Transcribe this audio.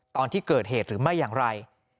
ตอนที่เกิดเหตุหรือไม่อย่างไร